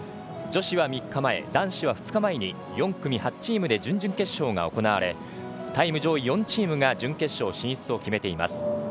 女子は３日前、男子は２日前に４組８チームで準々決勝を行いタイム上位４チームが準決勝進出を決めています。